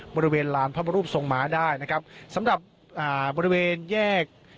บริเวณลานพระบรมรูปทรงม้าได้นะครับสำหรับอ่าบริเวณแยก